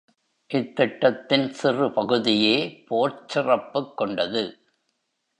இத்திட்டத்தின் சிறு பகுதியே போர்ச் சிறப்புக் கொண்டது.